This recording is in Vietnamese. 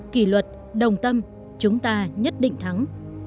kỷ luật đồng tâm chúng ta nhất định thắng